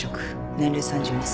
年齢３２歳。